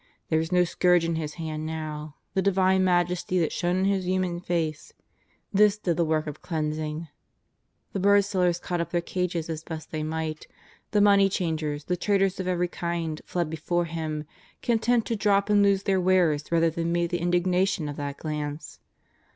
There was no scourge in His hand now; the Divine majesty that shone in His human face — this did the work of cleans ing. The birdsellers caught up their cages as best they might; the money changers, the traders of every kino^ fled before Him, content to drop c>id lose their wares rather than meet the indignation i^f that glance.